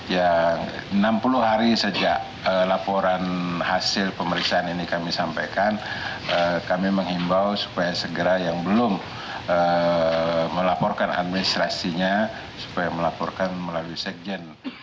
yang enam puluh hari sejak laporan hasil pemeriksaan ini kami sampaikan kami menghimbau supaya segera yang belum melaporkan administrasinya supaya melaporkan melalui sekjen